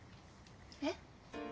えっ？